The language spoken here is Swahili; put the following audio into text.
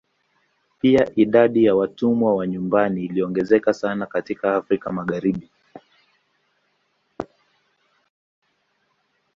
Pia idadi ya watumwa wa nyumbani iliongezeka sana katika Afrika Magharibi.